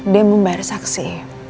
dia membayar saksi